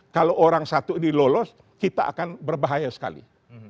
kalau orang satu ini lolos kita akan berbahaya sekali